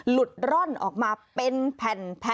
ร่อนออกมาเป็นแผ่น